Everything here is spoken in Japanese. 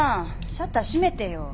シャッター閉めてよ。